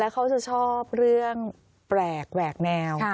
เขาจะชอบเรื่องแปลกแหวกแนว